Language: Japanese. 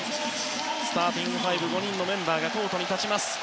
スターティングファイブ５人のメンバーがコートに立ちます。